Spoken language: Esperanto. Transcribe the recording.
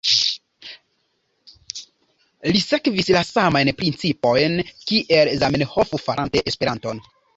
Li sekvis la samajn principojn kiel Zamenhof farante Esperanton.